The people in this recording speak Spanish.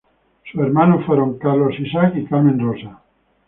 Sus hermanos fueron Carlos, Isaac y Carmen Rosa.